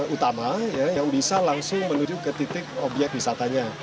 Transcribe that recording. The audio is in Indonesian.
utama yang bisa langsung menuju ke titik obyek wisatanya